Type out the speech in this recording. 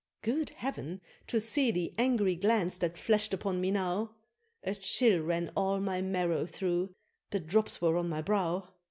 Good Heav'n! to see the angry glance that flashed upon me now! A chill ran all my marrow through the drops were on my brow!